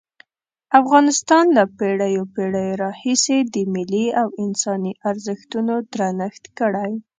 افغانستان له پېړیو پېړیو راهیسې د ملي او انساني ارزښتونو درنښت کړی.